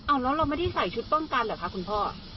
แล้วเราไม่ได้ใส่ชุดป้องกันเหรอคะคุณพ่อ